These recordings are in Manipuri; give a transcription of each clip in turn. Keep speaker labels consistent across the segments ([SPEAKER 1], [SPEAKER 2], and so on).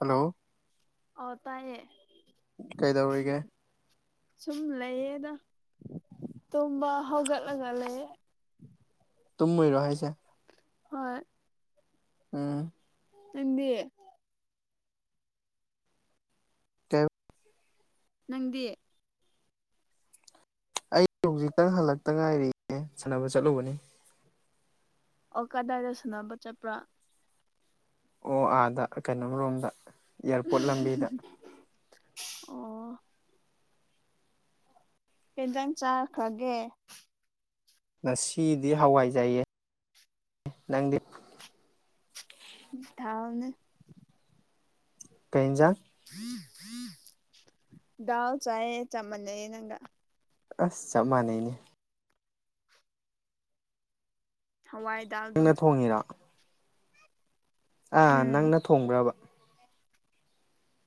[SPEAKER 1] ꯍꯜꯂꯣ
[SPEAKER 2] ꯑꯇꯥꯌꯦ
[SPEAKER 1] ꯀꯩꯗꯧꯔꯤꯒꯦ
[SPEAKER 2] ꯁꯨꯝ ꯂꯩꯌꯦꯗ ꯇꯨꯝꯕ ꯍꯧꯒꯠꯂꯒ ꯂꯩꯌꯦ
[SPEAKER 1] ꯇꯨꯝꯃꯣꯏꯔꯣ ꯍꯥꯏꯁꯦ
[SPEAKER 2] ꯍꯣꯏ
[SPEAKER 1] ꯑꯥ
[SPEAKER 2] ꯇꯗꯤ
[SPEAKER 1] ꯇ
[SPEAKER 2] ꯅꯪꯗꯤ
[SPEAKER 1] ꯑꯩ ꯍꯧꯖꯤꯛꯇꯪ ꯍꯜꯂꯛꯇ ꯉꯥꯏꯔꯤꯌꯦ ꯁꯥꯟꯅꯕ ꯆꯠꯂꯨꯕꯅꯤ
[SPEAKER 2] ꯑꯣ ꯀꯗꯥꯏꯗ ꯁꯅꯕ ꯆꯠꯄ꯭ꯔꯥ
[SPEAKER 1] ꯑꯣ ꯑꯥꯗ ꯀꯩꯅꯣꯝꯔꯣꯝꯗ ꯏꯌꯥꯔꯄꯣꯔꯠ ꯂꯝꯕꯤꯗ
[SPEAKER 2] ꯑꯣ ꯀꯦꯟꯖꯥꯡ ꯆꯥꯈ꯭ꯔꯒꯦ
[SPEAKER 1] ꯉꯁꯤꯗꯤ ꯍꯋꯥꯏꯖꯩꯌꯦ ꯅꯪꯗꯤ
[SPEAKER 2] ꯊꯅ
[SPEAKER 1] ꯀꯖꯥꯛ
[SPEAKER 2] ꯗꯥꯜ ꯆꯌꯦ ꯆꯥꯃꯟꯩ ꯅꯪꯒ
[SPEAKER 1] ꯑꯁ ꯆꯞ ꯃꯥꯟꯅꯩꯅꯦ
[SPEAKER 2] ꯍꯋꯥꯏ ꯗꯥꯜꯗꯨ
[SPEAKER 1] ꯊꯦꯡꯅ ꯊꯣꯡꯉꯤꯔꯥ ꯑꯥ
[SPEAKER 2] ꯎꯝ
[SPEAKER 1] ꯅꯪꯅ ꯊꯣꯡꯕ꯭ꯔꯕ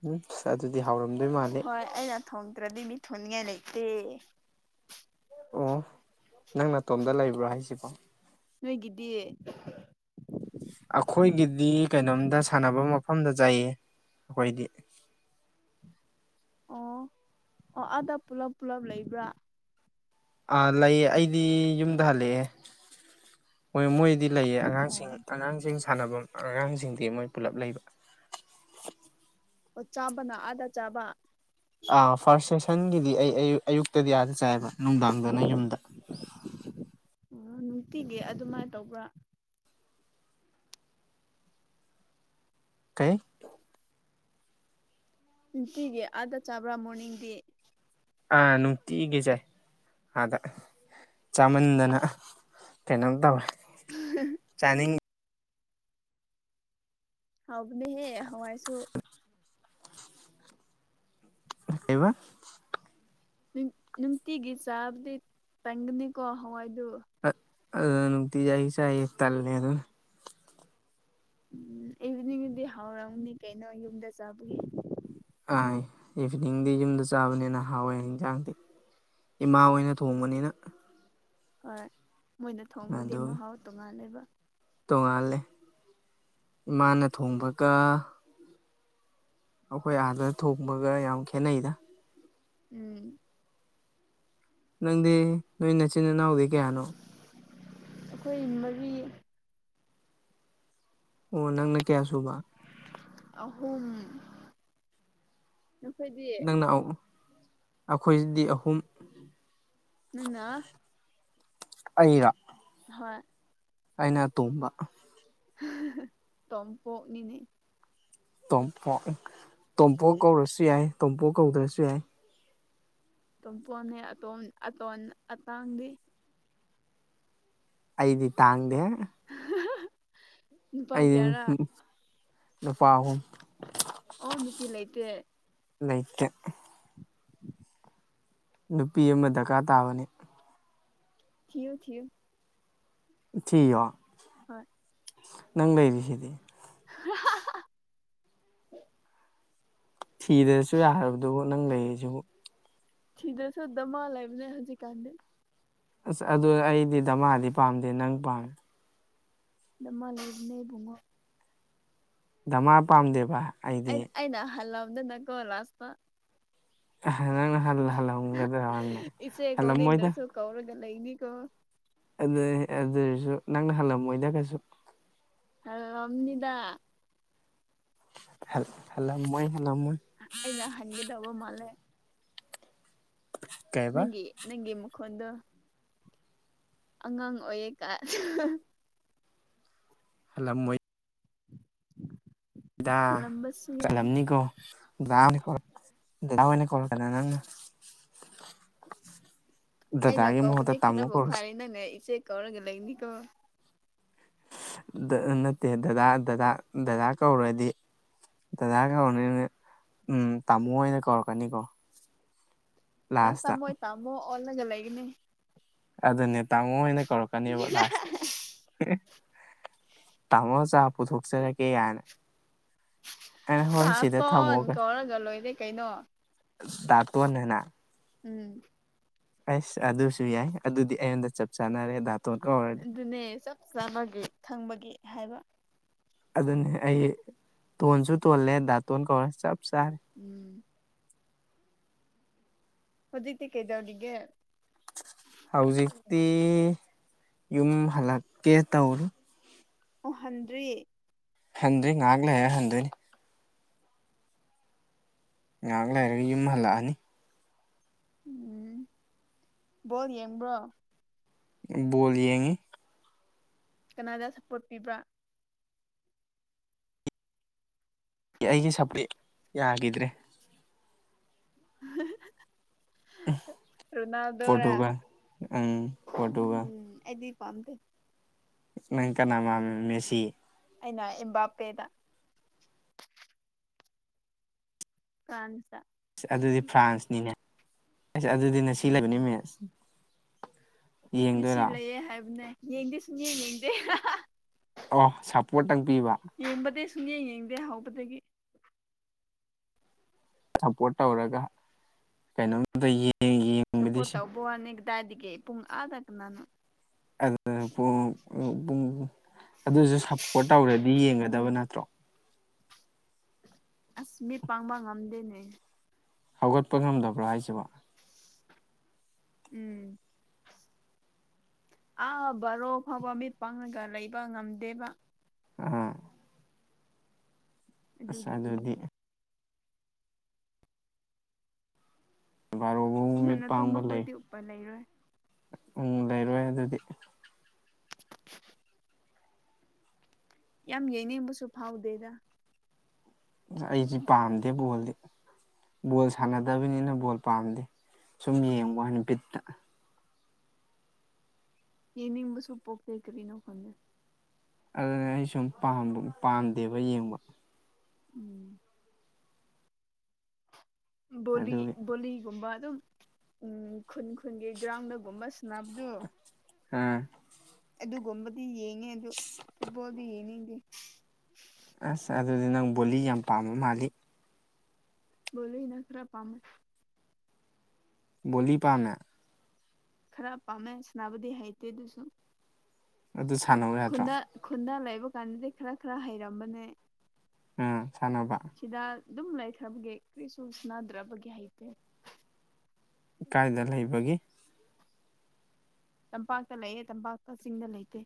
[SPEAKER 1] ꯎꯝꯁ ꯑꯗꯨꯗꯤ ꯍꯥꯎꯔꯝꯗꯣꯏ ꯃꯥꯜꯂꯦ
[SPEAKER 2] ꯍꯣꯏ ꯑꯩꯅ ꯊꯣꯡꯗ꯭ꯔꯗꯤ ꯃꯤ ꯊꯣꯡꯅꯤꯡꯉꯥꯏ ꯂꯩꯇꯦ
[SPEAKER 1] ꯑꯣ ꯅꯪ ꯅꯇꯣꯝꯗ ꯂꯩꯕ꯭ꯔꯣ ꯍꯥꯏꯁꯤꯕꯣ
[SPEAKER 2] ꯅꯣꯏꯒꯤꯗꯤ
[SPEAKER 1] ꯑꯩꯈꯣꯏꯒꯤꯗꯤ ꯀꯩꯅꯣꯝꯗ ꯁꯥꯟꯅꯕ ꯃꯐꯝꯗ ꯆꯥꯏꯌꯦ ꯑꯩꯈꯣꯏꯗꯤ
[SPEAKER 2] ꯑꯣ ꯑꯣ ꯑꯥꯗ ꯄꯨꯂꯞ ꯄꯨꯂꯞ ꯂꯩꯕ꯭ꯔꯥ
[SPEAKER 1] ꯑꯥ ꯂꯩꯌꯦ ꯑꯩꯗꯤ ꯌꯨꯝꯗ ꯍꯜꯂꯛꯑꯦ ꯍꯣꯏ ꯃꯣꯏꯗꯤ ꯂꯩꯌꯦ
[SPEAKER 2] ꯑꯣ
[SPEAKER 1] ꯑꯉꯥꯡꯁꯤꯡ ꯑꯉꯥꯡꯁꯤꯡ ꯁꯥꯟꯅꯐꯝ ꯑꯉꯥꯡꯁꯤꯡꯗꯤ ꯃꯣꯏ ꯄꯨꯂꯞ ꯂꯩꯕ
[SPEAKER 2] ꯑꯣ ꯆꯥꯕꯅ ꯑꯥꯗ ꯆꯥꯕ
[SPEAKER 1] ꯑ ꯐꯥꯔꯁ ꯁꯦꯁꯟꯒꯤꯗꯤ ꯑꯩ ꯑꯛ ꯑꯌꯨꯛꯇꯗꯤ ꯑꯥꯅ ꯆꯥꯏꯕ ꯅꯨꯡꯗꯥꯡꯗꯅ ꯌꯨꯝꯗ
[SPEAKER 2] ꯑꯣ ꯅꯨꯡꯇꯤꯒꯤ ꯑꯗꯨꯃꯥꯏꯅ ꯇꯧꯕ꯭ꯔꯥ
[SPEAKER 1] ꯀꯩ
[SPEAKER 2] ꯑ ꯅꯨꯡꯇꯤꯒꯤ ꯑꯥꯗ ꯆꯥꯕ꯭ꯔꯥ ꯃꯣꯔꯅꯤꯡꯗꯤ
[SPEAKER 1] ꯑꯥ ꯅꯨꯡꯇꯤꯒꯤꯁꯦ ꯑꯥꯗ ꯆꯥꯃꯟꯗꯅ ꯀꯩꯅꯣꯝ ꯇꯧꯋꯦ ꯆꯥꯅꯤꯡꯉꯤ
[SPEAKER 2] ꯍꯥꯎꯕꯅꯦ ꯍꯦ ꯍꯋꯥꯥꯏꯁꯨ
[SPEAKER 1] ꯀꯩꯕ
[SPEAKER 2] ꯅꯨꯡꯇꯤꯒꯤ ꯆꯥꯕꯗꯤ ꯇꯪꯒꯅꯤꯀꯣ ꯍꯋꯥꯏꯗꯨ
[SPEAKER 1] ꯑ ꯑꯗꯨ ꯅꯨꯅꯨꯡꯇꯤꯖꯏ ꯆꯏ ꯇꯜꯅꯦ ꯑꯗꯨ
[SPEAKER 2] ꯎꯝ ꯏꯚꯤꯅꯤꯡꯗꯤ ꯍꯥꯎꯔꯝꯅꯤ ꯀꯩꯅꯣ ꯌꯨꯝꯗ ꯆꯥꯕꯒꯤ
[SPEAKER 1] ꯑ ꯏꯚꯤꯅꯤꯡꯗꯤ ꯌꯨꯝꯗ ꯆꯥꯕꯅꯤꯅ ꯍꯥꯎꯋꯦ ꯍꯟꯖꯥꯡꯗꯤ ꯏꯃꯥ ꯑꯣꯏꯅ ꯊꯣꯡꯕꯅꯤꯅ
[SPEAKER 2] ꯍꯣꯏ ꯃꯣꯏꯅ ꯊꯣꯡꯕꯗꯤ
[SPEAKER 1] ꯑꯗꯨꯒꯤ
[SPEAKER 2] ꯃꯍꯥꯎ ꯇꯣꯡꯉꯥꯜꯂꯦꯕ
[SPEAKER 1] ꯇꯣꯡꯉꯥꯜꯂꯦ ꯏꯃꯥꯅ ꯊꯣꯡꯕꯒ ꯑꯩꯈꯣꯏ ꯑꯥꯗ ꯊꯣꯡꯕꯒ ꯌꯥꯝ ꯈꯦꯠꯅꯩꯗ
[SPEAKER 2] ꯎꯝ
[SPEAKER 1] ꯅꯪꯗꯤ ꯅꯣꯏ ꯅꯆꯤꯟ ꯏꯅꯥꯎꯗꯤ ꯀꯌꯥꯅꯣ
[SPEAKER 2] ꯑꯩꯈꯣꯏ ꯃꯔꯤ
[SPEAKER 1] ꯑꯣ ꯅꯪꯅ ꯀꯌꯥ ꯁꯨꯕ
[SPEAKER 2] ꯑꯍꯨꯝ ꯅꯈꯣꯏꯗꯤ
[SPEAKER 1] ꯅꯪꯅ ꯑꯩꯈꯣꯏꯁꯤꯗꯤ ꯑꯍꯨꯝ
[SPEAKER 2] ꯅꯟꯅ
[SPEAKER 1] ꯑꯩꯅ
[SPEAKER 2] ꯍꯣꯏ
[SPEAKER 1] ꯑꯩꯅ ꯇꯣꯝꯕ
[SPEAKER 2] ꯇꯝꯄꯣ ꯅꯅꯦ
[SPEAKER 1] ꯇꯣꯝꯄꯣꯛ ꯇꯣꯝꯄꯣꯛ ꯀꯧꯔꯁꯨ ꯌꯥꯏ ꯇꯣꯝꯄꯣ ꯀꯧꯗ꯭ꯔꯁꯨ ꯌꯥꯏ
[SPEAKER 2] ꯑꯝ ꯄꯣꯟꯅꯩ ꯑꯇꯝ ꯑꯇꯣꯟ ꯑꯇꯥꯡꯗꯤ
[SPEAKER 1] ꯑꯩꯗꯤ ꯇꯥꯡꯗꯦ
[SPEAKER 2] [unintelligible]
[SPEAKER 1] ꯑꯩꯗꯤ
[SPEAKER 2] ꯀꯌꯥꯔꯥ
[SPEAKER 1] ꯅꯨꯄꯥ ꯑꯍꯨꯝ
[SPEAKER 2] ꯑꯣ ꯅꯨꯄꯤ ꯂ ꯂꯩꯇꯦ
[SPEAKER 1] ꯂꯩ ꯂꯩꯛꯇ
[SPEAKER 2] [unintelligible]
[SPEAKER 1] ꯅꯨꯄꯤ ꯑꯃ ꯗꯔꯀꯥꯔ ꯇꯥꯕꯅꯤ
[SPEAKER 2] ꯊꯣ ꯊꯌ
[SPEAKER 1] ꯊ
[SPEAKER 2] ꯍꯣꯏ
[SPEAKER 1] ꯅꯪ ꯂꯩꯔꯤꯁꯤꯗꯤ
[SPEAKER 2] [unintelligible]
[SPEAKER 1] ꯊꯤꯗꯅꯁꯨ ꯌꯥꯈ꯭ꯔꯕꯗꯨꯕꯨ ꯅꯪ ꯂꯩꯔꯤꯁꯤꯕꯨ
[SPEAKER 2] ꯁꯤꯤꯗꯁꯨꯗꯃꯂ ꯂꯩꯕꯅꯦ ꯍꯧꯖꯤꯛ ꯀꯥꯟꯗ
[SPEAKER 1] ꯑꯁ ꯑꯗꯨ ꯑꯩꯗꯤ ꯗꯃꯥꯗꯤ ꯄꯥꯝꯗꯦ ꯅꯪ ꯄꯥꯝꯃꯦ
[SPEAKER 2] ꯑꯗꯨꯃ ꯂꯩ ꯑꯗꯨꯅꯕꯨꯡꯉꯣ [unintelligible]
[SPEAKER 1] ꯙꯃꯥ ꯄꯥꯝꯗꯦꯕ
[SPEAKER 2] ꯑꯩ
[SPEAKER 1] ꯑꯩꯗꯤ
[SPEAKER 2] ꯑꯩꯅ ꯍꯜꯂꯝꯗꯅꯥꯀꯣ ꯂꯥꯁꯇ꯭ ꯇꯥ
[SPEAKER 1] ꯅꯪ ꯍꯜ ꯍꯜꯂꯝꯒꯗ꯭ꯔꯣꯅꯦ ꯍꯜꯂꯝꯃꯣꯏꯗ
[SPEAKER 2] ꯀꯧꯔꯒꯥ ꯂꯩꯅꯤꯀꯣ
[SPEAKER 1] ꯑꯗꯨ ꯑꯗꯨꯑꯣꯏꯔꯁꯨ ꯅꯪꯅ ꯍꯜꯂꯝꯃꯣꯏꯗꯀꯩꯁꯨꯛ
[SPEAKER 2] ꯍꯜꯂꯝꯅꯤꯗ
[SPEAKER 1] ꯍꯦꯜ ꯍꯜꯂꯝꯃꯣꯏ ꯍꯜꯂꯝꯣꯏ
[SPEAKER 2] ꯑꯩꯅꯥ ꯍꯅꯒꯗꯕ ꯃꯥꯂꯦ
[SPEAKER 1] ꯀꯩꯕ
[SPEAKER 2] ꯅꯪꯒꯤ ꯅꯪꯒꯤ ꯃꯈꯣꯟꯗꯣ ꯑꯉꯥꯡ ꯑꯣꯏꯌꯦꯀ
[SPEAKER 1] ꯍꯜꯂꯝꯃꯣꯏ ꯗꯥ
[SPEAKER 2] ꯍꯜꯂꯝꯕꯁꯨ ꯌꯥꯏ
[SPEAKER 1] ꯆꯂꯝꯅꯤꯀꯣ ꯗꯥ-ꯗꯥ ꯑꯣꯏꯅ [unintelligible]
[SPEAKER 2] ꯑꯩꯅ
[SPEAKER 1] ꯗꯗꯥꯒꯤ ꯃꯍꯨꯠꯇ
[SPEAKER 2] ꯀꯧꯕꯗꯤ
[SPEAKER 1] ꯇꯥꯃꯣ
[SPEAKER 2] ꯈꯔꯕꯨ
[SPEAKER 1] ꯀꯧꯔꯁꯤ
[SPEAKER 2] ꯐꯥꯔꯦ ꯅꯪꯅ ꯏꯆꯦ ꯀꯧꯔꯒ ꯂꯩꯅꯤꯀꯣ
[SPEAKER 1] ꯅꯠꯇꯦ ꯗꯗꯥ-ꯗꯗꯥ-ꯗꯗꯥ ꯀꯧꯔꯗꯤ ꯗꯗꯥ ꯀꯧꯔꯅꯤ ꯎꯝ ꯇꯥꯃꯣ ꯑꯣꯏꯅ ꯀꯧꯔꯛꯀꯅꯤꯀꯣ
[SPEAKER 2] ꯂꯥꯁꯇꯥ
[SPEAKER 1] ꯂꯥꯁꯇ
[SPEAKER 2] ꯃꯣꯏ ꯇꯥꯃꯣ ꯑꯣꯜꯂꯒ ꯂꯩꯒꯅꯤ
[SPEAKER 1] ꯑꯗꯨꯅꯦ ꯇꯥꯃꯣ ꯑꯣꯏꯅ ꯀꯧꯔꯛꯀꯅꯦꯕ ꯂꯥꯁꯇ [unintelligible] ꯇꯥꯃꯣ ꯆꯥ ꯄꯨꯊꯣꯛꯆꯔꯀꯦ ꯀꯥꯏꯅ
[SPEAKER 2] ꯗꯥꯇꯣꯟ
[SPEAKER 1] ꯊꯝꯃꯣꯒ
[SPEAKER 2] ꯀꯧꯔꯒ ꯂꯣꯏꯔꯦ ꯀꯩꯅꯣ
[SPEAKER 1] ꯗꯥ ꯇꯣꯟ ꯍꯥꯏꯅ
[SPEAKER 2] ꯎꯝ
[SPEAKER 1] ꯑꯁ ꯑꯗꯨꯁꯨ ꯌꯥꯏ ꯑꯗꯨꯗꯤ ꯑꯩꯉꯣꯟꯗ ꯆꯞ ꯆꯥꯅꯔꯦ ꯗꯥ
[SPEAKER 2] ꯑꯗꯨꯅꯦ ꯆꯞ ꯆꯥꯟꯅꯒꯤ ꯈꯪꯕꯒꯤ ꯍꯥꯏꯕ
[SPEAKER 1] ꯑꯗꯨꯅꯤ ꯑꯩ ꯇꯣꯟꯁꯨ ꯇꯣꯜꯂꯦ ꯗꯥꯇꯣꯟ ꯀꯧꯔ ꯆꯞ ꯆꯥꯔꯦ
[SPEAKER 2] ꯎꯝ ꯍꯧꯖꯤꯛꯇꯤ ꯀꯩꯗꯧꯔꯤꯒꯦ
[SPEAKER 1] ꯍꯧꯖꯤꯛꯇꯤ ꯌꯨꯝ ꯍꯜꯂꯛꯀꯦ ꯇꯧꯔꯤ
[SPEAKER 2] ꯑꯣ ꯍꯟꯗ꯭ꯔꯤ
[SPEAKER 1] ꯍꯟꯗꯔꯤ ꯉꯥꯏꯍꯥꯛ ꯂꯩꯔꯒꯥ ꯍꯟꯗꯣꯏꯅꯤ ꯉꯥꯏꯍꯥꯛ ꯂꯩꯔꯒ ꯌꯨꯝ ꯍꯜꯂꯛꯑꯅꯤ
[SPEAKER 2] ꯎꯝ ꯕꯣꯜ ꯌꯦꯡꯕ꯭ꯔꯣ
[SPEAKER 1] ꯕꯣꯜ ꯌꯦꯡꯉꯤ
[SPEAKER 2] ꯀꯅꯥꯗ ꯁꯞꯄꯣꯔꯠ ꯄꯤꯕ꯭ꯔꯥ
[SPEAKER 1] ꯑꯩꯒꯤ ꯁꯄꯔꯤ ꯌꯥꯒꯤꯗ꯭ꯔꯦ
[SPEAKER 2] ꯍ [unintelligible] ꯔꯣꯅꯥꯜꯗꯣꯔ
[SPEAKER 1] ꯄꯣꯔꯇꯨꯒꯜ ꯎꯝ
[SPEAKER 2] [inaudible]
[SPEAKER 1] ꯄꯣꯔꯇꯨꯒꯜ
[SPEAKER 2] ꯎꯝ ꯑꯩꯗꯤ ꯄꯥꯃꯗꯦ
[SPEAKER 1] ꯅꯪ ꯀꯥꯅꯥ ꯄꯥꯝꯃꯤꯕ ꯃꯦꯁꯤ
[SPEAKER 2] ꯑꯩꯅ ꯏꯝꯕꯥꯄꯦꯗ ꯐ꯭ꯔꯥꯟꯁꯗ
[SPEAKER 1] ꯑꯗꯨꯗꯤ ꯐ꯭ꯔꯥꯟꯁꯅꯤꯅꯦ ꯑꯁ ꯑꯗꯨꯗꯤ ꯉꯁꯤ ꯂꯩꯕꯅꯤ ꯃꯦꯁ
[SPEAKER 2] ꯑꯣ ꯉꯁꯤ ꯂꯩꯌꯦ ꯍꯥꯏꯕꯅꯦ ꯌꯦꯡꯗꯤ ꯁꯨꯡꯌꯦꯡ ꯌꯦꯡꯗꯦ [unintelligible]
[SPEAKER 1] ꯑꯣ ꯁꯞꯄꯣꯔꯠꯇꯪ ꯄꯤꯕ
[SPEAKER 2] ꯌꯦꯡꯕꯗꯤ ꯁꯨꯡꯌꯦꯡ ꯌꯦꯡꯗꯦ ꯍꯧꯕꯗꯒꯤ
[SPEAKER 1] ꯁꯞꯄꯣꯔꯠ [inaudible] ꯇꯧꯔꯒ ꯀꯩꯅꯣꯝꯗ ꯌꯦꯡ
[SPEAKER 2] ꯁꯄꯣꯠ ꯇꯧꯕꯋꯥꯅꯤ ꯀꯗꯥꯏꯗꯒꯤ ꯄꯨꯡ ꯑꯥꯗ ꯀꯅꯥꯅ
[SPEAKER 1] [unintelligible] ꯑꯗꯨꯖꯨ ꯁꯞꯄꯣꯔꯠ ꯇꯧꯔꯗꯤ
[SPEAKER 2] ꯄꯨꯡ
[SPEAKER 1] ꯌꯦꯡꯒꯗꯕ ꯅꯠꯇ꯭ꯔꯣ
[SPEAKER 2] ꯑꯁ ꯃꯤꯠ ꯄꯥꯡꯕ ꯉꯝꯗꯦꯍꯦ
[SPEAKER 1] ꯍꯧꯒꯠꯄ ꯉꯝꯗꯕ꯭ꯔꯣ ꯍꯥꯏꯁꯤꯕꯣ
[SPEAKER 2] ꯎꯝ ꯑꯥ ꯕꯥꯔꯣ ꯐꯥꯎꯕ ꯃꯤꯠ ꯄꯥꯡꯂꯒ ꯂꯩꯕ ꯉꯝꯗꯦꯕ
[SPEAKER 1] ꯑ ꯑꯁ
[SPEAKER 2] ꯑꯗꯨꯒꯤ
[SPEAKER 1] ꯑꯗꯨꯗꯤ ꯕꯥꯔꯣꯕꯨ ꯃꯤꯠ
[SPEAKER 2] ꯉꯟꯅ
[SPEAKER 1] ꯄꯥꯡꯕ
[SPEAKER 2] ꯇꯨꯝꯕ
[SPEAKER 1] ꯂꯩ
[SPEAKER 2] ꯈꯣꯏꯗꯤ ꯎꯄꯥꯏ ꯂꯩꯔꯣꯏ
[SPEAKER 1] [inaudible] ꯎꯝ ꯂꯩꯔꯣꯏ ꯑꯗꯨꯗꯤ
[SPEAKER 2] [unintelligible] ꯌꯥꯝ ꯌꯦꯡꯅꯤꯡꯕꯁꯨ ꯐꯥꯎꯗꯦꯗ
[SPEAKER 1] ꯑꯩꯁꯤ ꯄꯥꯝꯗꯦ ꯕꯣꯜꯗꯤ ꯕꯣꯜ ꯁꯥꯟꯅꯗꯕꯅꯤꯅ ꯕꯣꯜ ꯄꯥꯝꯗꯦ ꯁꯨꯝ ꯌꯦꯡꯕ ꯋꯥꯅꯦ ꯕꯤꯠꯇ
[SPEAKER 2] ꯌꯦꯅꯤꯡꯕꯁꯨ ꯄꯣꯛꯇꯦ ꯀꯔꯤꯅꯣ ꯈꯪꯗꯦ
[SPEAKER 1] ꯑꯗꯨꯅꯦ ꯑꯩ ꯁꯨꯝ ꯄꯥꯝ ꯄꯥꯝꯗꯦꯕ ꯌꯦꯡꯕ
[SPEAKER 2] ꯎꯝ ꯕꯣꯂꯤ
[SPEAKER 1] ꯑꯗꯨꯒꯤ
[SPEAKER 2] ꯕꯣꯂꯤꯒꯨꯝꯕ ꯑꯗꯨꯝ ꯎꯝ ꯈꯨꯟ ꯈꯨꯟꯒꯤ ꯒ꯭ꯔꯥꯎꯟꯗꯒꯨꯝꯕ ꯁꯅꯕꯗꯨ
[SPEAKER 1] ꯎꯝ
[SPEAKER 2] ꯑꯗꯨ ꯒꯨꯝꯕꯗꯤ ꯌꯦꯡꯉꯦ ꯑꯗꯨ ꯐꯨꯠꯕꯣꯜꯗꯤ ꯌꯦꯡꯅꯤꯡꯗꯦ
[SPEAKER 1] ꯑꯁ ꯑꯗꯨꯗꯤ ꯅꯪ ꯕꯣꯂꯤ ꯌꯥꯝ ꯄꯥꯝꯕ ꯃꯥꯜꯂꯤ
[SPEAKER 2] ꯕꯣꯂꯤꯅ ꯈꯔ ꯄꯥꯃꯦ
[SPEAKER 1] ꯕꯣꯂꯤ ꯄꯥꯃꯦ
[SPEAKER 2] ꯈꯔ ꯄꯥꯃꯦ ꯁꯅꯥꯕꯗꯤ ꯍꯩꯇꯦ ꯑꯗꯨꯁꯨ
[SPEAKER 1] ꯑꯗꯨ ꯁꯥꯟꯅꯧ ꯌꯥꯗ꯭ꯔꯣ
[SPEAKER 2] ꯈꯨꯟꯗꯥ ꯂꯩꯕ ꯀꯥꯟꯗꯗꯤ ꯈꯔ ꯈꯔ ꯍꯩꯔꯝꯕꯅꯦ
[SPEAKER 1] ꯎꯝ ꯁꯥꯟꯅꯕ
[SPEAKER 2] ꯁꯤꯗ ꯑꯗꯨꯝ ꯂꯩꯈ꯭ꯔꯕꯒꯦ ꯀꯔꯤꯁꯨ ꯁꯥꯟꯅꯗ꯭ꯔꯕꯒꯦ ꯍꯩꯇꯦ
[SPEAKER 1] ꯀꯥꯏꯗ ꯂꯩꯕꯒꯤ
[SPEAKER 2] ꯇꯝꯄꯥꯛꯇ ꯂꯩꯌꯦ ꯇꯝꯄꯥꯛꯇ ꯆꯤꯡꯗ ꯂꯩꯇꯦ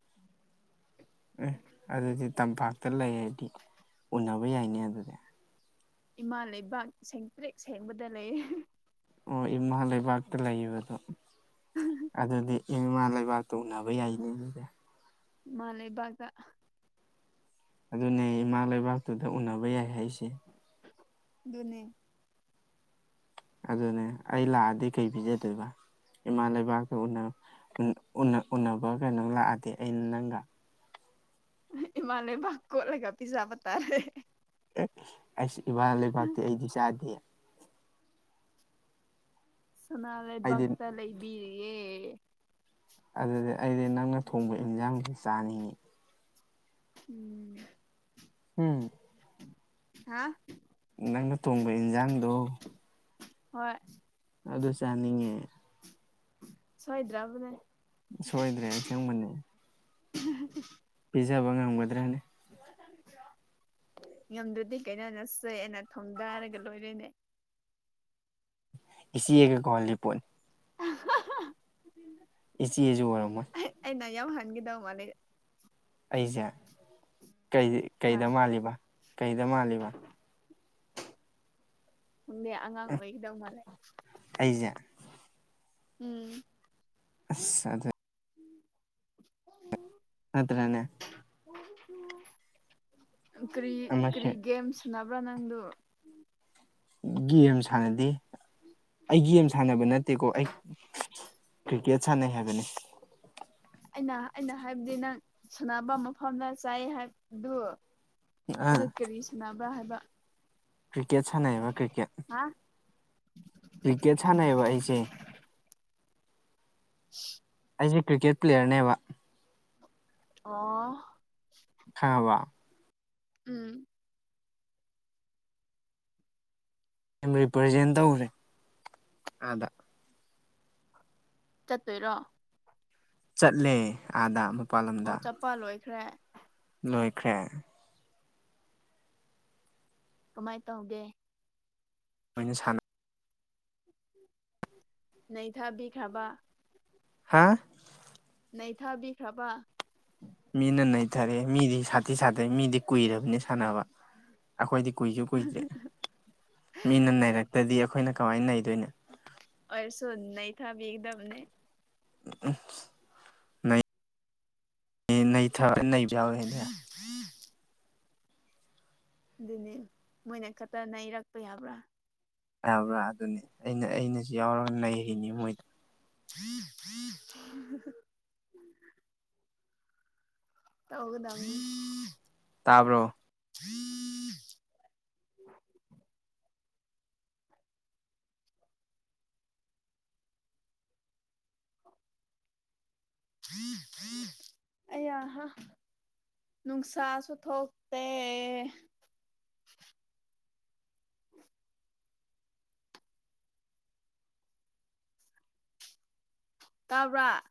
[SPEAKER 1] ꯑꯦ ꯑꯗꯨꯗꯤ ꯇꯝꯄꯥꯛꯇ ꯂꯩꯔꯗꯤ ꯎꯟꯅꯕ ꯌꯥꯏꯅꯦ ꯑꯗꯨꯗꯤ
[SPEAKER 2] ꯏꯃꯥ ꯂꯩꯕꯥꯛ ꯁꯦꯡꯇ꯭ꯔꯦꯤꯛ ꯁꯦꯡꯕꯗ ꯂꯩ
[SPEAKER 1] ꯑꯣ ꯏꯃꯥ ꯂꯩꯕꯥꯛꯇ ꯂꯩꯕꯗꯣ ꯑꯗꯨꯗꯤ ꯏꯃꯥ ꯂꯩꯕꯥꯛꯇ ꯎꯅꯕ ꯌꯥꯏꯅꯦ ꯑꯗꯨꯗꯤ
[SPEAKER 2] ꯏꯃꯥ ꯂꯩꯕꯥꯛꯇ
[SPEAKER 1] ꯑꯗꯨꯅꯦ ꯏꯃꯥ ꯂꯩꯕꯥꯛꯇꯨꯗ ꯎꯅꯕ ꯌꯥꯏ ꯍꯥꯏꯁꯦ
[SPEAKER 2] ꯗꯨꯅꯦ
[SPEAKER 1] ꯑꯗꯨꯅꯦ ꯑꯩ ꯂꯥꯛꯑꯗꯤ ꯀꯩ ꯄꯤꯖꯗꯣꯏꯕ ꯏꯃꯥ ꯂꯩꯕꯥꯛꯇ ꯎꯅ ꯎꯅꯕ ꯀꯩꯅꯣ ꯂꯥꯛꯑꯗꯤ ꯑꯩꯅ ꯅꯪꯒ
[SPEAKER 2] ꯏꯃꯥ ꯂꯩꯕꯥꯛ ꯀꯣꯠꯂꯒ ꯄꯤꯖꯕ ꯇꯥꯔꯦ
[SPEAKER 1] ꯑꯦ ꯑꯩꯁ ꯏꯃ ꯂꯩꯕꯥꯛꯇꯤ ꯑꯩꯗꯤ ꯆꯥꯗꯦ
[SPEAKER 2] ꯁꯅꯥ
[SPEAKER 1] ꯑꯩꯗꯤ
[SPEAKER 2] ꯂꯩꯕꯥꯛꯇ ꯂꯩ ꯏꯕꯤꯔꯤꯌꯦꯦ
[SPEAKER 1] ꯑꯗꯨꯗꯤ ꯑꯩꯗꯤ ꯅꯪꯅ ꯊꯣꯡꯕ ꯏꯟꯁꯥꯡꯁꯦ ꯆꯥꯅꯤꯡꯏ
[SPEAKER 2] ꯎꯝ
[SPEAKER 1] ꯎꯝ
[SPEAKER 2] ꯍꯥ
[SPEAKER 1] ꯅꯪꯅ ꯊꯣꯡꯕ ꯏꯟꯖꯥꯡꯗꯣ
[SPEAKER 2] ꯍꯣꯏ
[SPEAKER 1] ꯑꯗꯨ ꯆꯥꯅꯤꯡꯉꯦ
[SPEAKER 2] ꯁꯣꯏꯗ꯭ꯔꯥꯕꯅꯦ
[SPEAKER 1] ꯁꯣꯏꯗ꯭ꯔꯦ ꯑꯁꯦꯡꯕꯅꯤ
[SPEAKER 2] [unintelligible]
[SPEAKER 1] ꯄꯖꯥꯕ ꯉꯝꯒꯗ꯭ꯔꯅ
[SPEAKER 2] ꯉꯝꯗ꯭ꯔꯗꯤ ꯀꯩꯅꯣ ꯅꯆꯦ ꯑꯩꯅ ꯊꯣꯡꯗꯔꯒ ꯂꯣꯏꯔꯦꯅꯦ
[SPEAKER 1] ꯏꯆꯦꯒꯦ ꯀꯣꯍꯜꯂꯤꯄꯣꯠ
[SPEAKER 2] ꯑꯍꯍꯥ꯫
[SPEAKER 1] ꯏꯆꯦꯖꯨ ꯑꯣꯏꯔꯝꯃꯣꯏ꯫
[SPEAKER 2] ꯑꯩꯅ ꯌꯥꯝ ꯍꯟꯒꯤꯗꯧ ꯃꯥꯜꯂꯦ꯫
[SPEAKER 1] ꯑꯩꯖꯦ ꯀꯩ_꯫
[SPEAKER 2] ꯍꯣꯏ꯫ ꯅꯪꯗꯤ ꯑꯉꯥꯡ ꯑꯣꯏꯈꯤꯗꯧ ꯃꯥꯜꯂꯦ꯫
[SPEAKER 1] ꯑꯩꯖꯦ꯫
[SPEAKER 2] ꯎꯝ꯫
[SPEAKER 1] ꯑꯁ ꯑꯗ_꯫
[SPEAKER 2] ꯎꯝ ꯎ꯫
[SPEAKER 1] ꯅꯠꯇꯔ꯭ ꯅꯦ꯫
[SPEAKER 2] ꯀꯔꯤ
[SPEAKER 1] ꯑꯃꯁꯦ
[SPEAKER 2] ꯀꯔꯤꯒꯦꯝ ꯁꯅꯕ꯭ꯔꯥ ꯅꯪꯗꯣ
[SPEAKER 1] ꯒꯦꯝ ꯁꯥꯟꯅꯗꯦ ꯑꯩ ꯒꯦꯝ ꯁꯥꯟꯅꯕ ꯅꯠꯇꯦꯀꯣ ꯑꯩ ꯀ꯭ꯔꯤꯀꯦꯠ ꯁꯥꯟꯅꯩ ꯍꯥꯏꯕꯅꯦ
[SPEAKER 2] ꯑꯩꯅ ꯑꯩꯅ ꯍꯥꯏꯕꯗꯤ ꯅꯪ ꯁꯅꯕ ꯃꯐꯝꯗ ꯆꯥꯏ ꯍꯥꯏꯕꯗꯨ ꯑꯗꯨ
[SPEAKER 1] ꯑꯥ
[SPEAKER 2] ꯀꯔꯤ ꯁꯥꯟꯅꯕꯔꯥ ꯍꯥꯏꯕ
[SPEAKER 1] ꯀ꯭ꯔꯤꯀꯦꯠ ꯁꯥꯟꯅꯩꯕ ꯀ꯭ꯔꯤꯀꯦꯠ
[SPEAKER 2] ꯍꯥ
[SPEAKER 1] ꯀ꯭ꯔꯤꯀꯦꯠ ꯁꯥꯟꯅꯩꯕ ꯑꯩꯁꯦ
[SPEAKER 2] ꯍ
[SPEAKER 1] ꯑꯩꯁꯦ ꯀ꯭ꯔꯤꯀꯦꯠ ꯄ꯭ꯂꯦꯌꯔꯅꯦꯕ
[SPEAKER 2] ꯑ
[SPEAKER 1] ꯈꯪꯑꯕ
[SPEAKER 2] ꯎꯝ
[SPEAKER 1] ꯔꯤꯄ꯭ꯔꯖꯦꯟ ꯇꯧꯔꯦ ꯑꯥꯗ
[SPEAKER 2] ꯆꯠꯇꯨꯏꯔꯣ
[SPEAKER 1] ꯆꯠꯂꯦ ꯑꯥꯗ ꯃꯄꯥꯟ
[SPEAKER 2] ꯑꯣ
[SPEAKER 1] ꯂꯝꯗ
[SPEAKER 2] ꯆꯠꯄ ꯂꯣꯏꯈ꯭ꯔꯦ
[SPEAKER 1] ꯂꯣꯏꯈ꯭ꯔꯦ
[SPEAKER 2] ꯀꯃꯥꯏ ꯇꯧꯒꯦ
[SPEAKER 1] ꯃꯣꯏꯅ ꯁꯥꯟꯅ
[SPEAKER 2] ꯅꯩꯊꯥꯕꯤꯈ꯭ꯔꯕ
[SPEAKER 1] ꯍꯥ
[SPEAKER 2] ꯅꯩ ꯊꯥꯕꯤꯈ꯭ꯔꯕ
[SPEAKER 1] ꯃꯤꯅ ꯅꯩꯊꯔꯦ ꯃꯤꯗꯤ ꯁꯥꯊꯤ ꯁꯥꯊ__ꯃꯤꯗꯤ ꯀꯨꯏꯔꯕꯅꯦ ꯁꯥꯟꯅꯕ ꯑꯩꯈꯣꯏꯗꯤ ꯀꯨꯏꯁꯨ ꯀꯨꯏꯗ꯭ꯔꯤ ꯃꯤꯅ ꯅꯩꯔꯛꯇ꯭ꯔꯗꯤ ꯑꯩꯈꯣꯏꯅ ꯀꯃꯥꯏꯅ ꯅꯩꯗꯨꯏꯅꯣ
[SPEAKER 2] ꯑꯣꯏꯔꯁꯨ ꯅꯩꯊꯕꯤꯒꯗꯕꯅꯦ
[SPEAKER 1] ꯎ ꯅꯩ_ ꯅꯩꯊꯕꯁꯨ ꯌꯥꯎꯌꯦ ꯑꯩꯅ
[SPEAKER 2] ꯖꯤ ꯑꯗꯨꯅꯤ ꯃꯣꯏꯅ ꯈꯛꯇ ꯅꯩꯔꯛꯄ ꯌꯥꯕ꯭ꯔꯥ
[SPEAKER 1] ꯌꯥꯕ꯭ꯔꯥ ꯑꯗꯨꯅꯤ ꯑꯩꯅ ꯑꯩꯅꯁꯨ ꯌꯥꯎꯔ ꯅꯩꯔꯤꯅꯤ ꯃꯣꯏꯗ
[SPEAKER 2] ꯖꯤ ꯑꯍꯥ ꯍꯥ ꯇꯧꯒꯗꯕꯅꯦ
[SPEAKER 1] ꯇꯥꯕꯔꯣ
[SPEAKER 2] ꯍ ꯍ [unintelligible] ꯑꯌꯥꯍꯥ ꯅꯨꯡꯁꯁꯨ ꯊꯣꯛꯇꯦ ꯇꯕ꯭ꯔꯥ